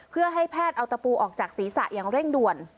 เพื่อให้แพทย์เอาตะปูออกจากศีรษะอย่างเร่งด่วน